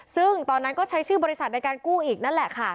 ซึ่งตอนนั้นก็ใช้ชื่อบริษัทในการกู้อีกนั่นแหละค่ะ